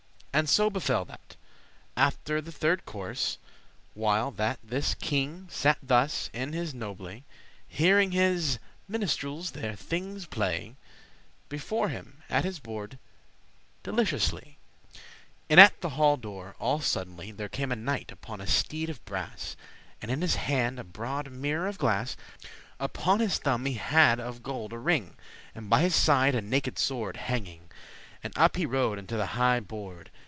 *story <8> And so befell that, after the third course, While that this king sat thus in his nobley,* *noble array Hearing his ministreles their thinges play Before him at his board deliciously, In at the halle door all suddenly There came a knight upon a steed of brass, And in his hand a broad mirror of glass; Upon his thumb he had of gold a ring, And by his side a naked sword hanging: And up he rode unto the highe board.